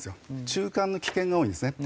中間の棄権が多いんですね。